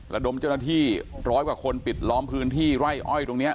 ระดมเจ้าหน้าที่ร้อยกว่าคนปิดล้อมพื้นที่ไร่อ้อยตรงนี้